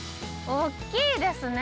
大っきいですね。